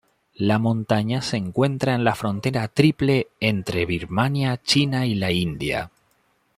La montaña se encuentra en la frontera triple entre Birmania, China y la India.